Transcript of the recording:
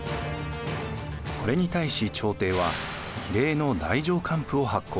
これに対し朝廷は異例の太政官符を発行。